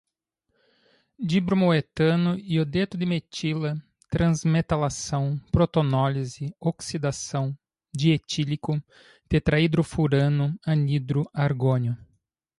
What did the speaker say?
dibromoetano, iodeto de metila, transmetalação, protonólise, oxidação, dietílico, tetraidrofurano, anidro, argônio